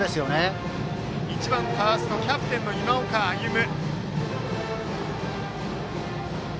バッターは１番ファーストキャプテンの今岡歩夢。